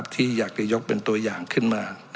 ที่อยากจะยกเป็นตัวอย่างขึ้นมา